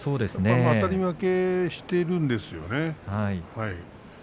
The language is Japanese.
あたり負けしているんですよね。